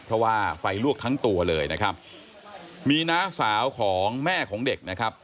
เพราะว่าไฟลวกทั้งตัวเลยนะครับมีน้าสาวของแม่ของเด็กนะครับ